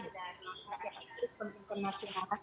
yang itu pengumuman sumbernya